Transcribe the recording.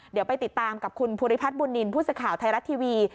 เดี๋ยวไปติดตามกับคุณภูริพัฒน์บุญนินทร์ผู้สื่อข่าวไทยรัฐทีวี